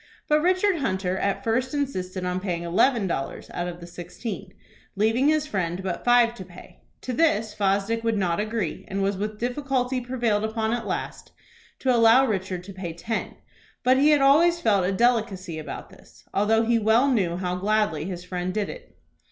But Richard Hunter at first insisted on paying eleven dollars out of the sixteen, leaving his friend but five to pay. To this Fosdick would not agree, and was with difficulty prevailed upon at last to allow Richard to pay ten; but he had always felt a delicacy about this, although he well knew how gladly his friend did it.